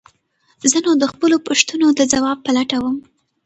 زه نو د خپلو پوښتنو د ځواب په لټه وم.